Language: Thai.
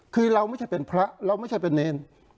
คือเราไม่ใช่เป็นพระเราไม่ใช่เป็นเนร